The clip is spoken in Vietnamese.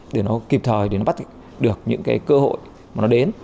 để nó kịp thời để nó bắt được những cái cơ hội mà nó đến